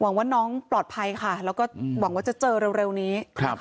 หวังว่าน้องปลอดภัยค่ะแล้วก็หวังว่าจะเจอเร็วนี้